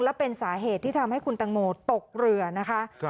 และเป็นสาเหตุที่ทำให้คุณตังโมตกเรือนะคะ